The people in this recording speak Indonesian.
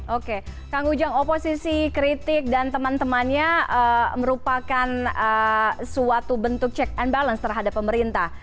oke kang ujang oposisi kritik dan teman temannya merupakan suatu bentuk check and balance terhadap pemerintah